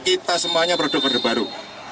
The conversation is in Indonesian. kita semuanya produk order baru